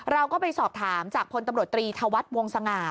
เราก็ไปสอบถามจากพตรีธวัฒน์วงศังหา